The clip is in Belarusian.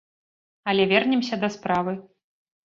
Але вернемся да справы.